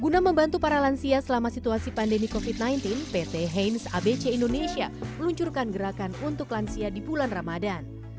guna membantu para lansia selama situasi pandemi covid sembilan belas pt heinz abc indonesia meluncurkan gerakan untuk lansia di bulan ramadan